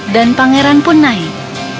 dan pangeran pun naik